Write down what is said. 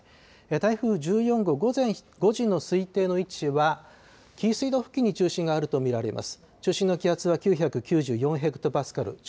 台風１４号午前５時の推定の位置は紀伊水道の付近に中心があるとみられます。